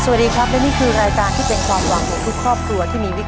สวัสดีครับและนี่คือรายการที่เป็นความหวังของทุกครอบครัวที่มีวิกฤต